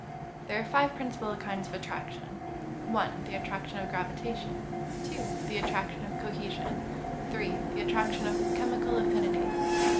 _ There are five principal kinds of attraction: 1. The attraction of gravitation. 2. The attraction of cohesion. 3. The attraction of chemical affinity. 4.